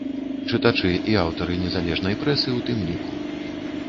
Чытачы і аўтары незалежнай прэсы ў тым ліку.